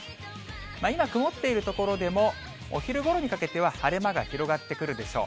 今、曇っている所でも、お昼ごろにかけては晴れ間が広がってくるでしょう。